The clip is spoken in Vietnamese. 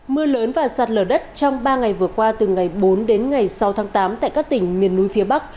mưa lớn và sạt lở đất trong ba ngày vừa qua từ ngày bốn đến ngày sáu tháng tám tại các tỉnh miền núi phía bắc